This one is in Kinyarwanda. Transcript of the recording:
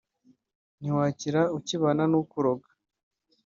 ntiwakira ukibana n’ukuroga